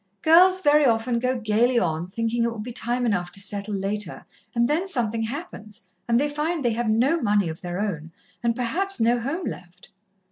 Girls very often go gaily on, thinkin' it will be time enough to settle later, and then something happens, and they find they have no money of their own, and perhaps no home left.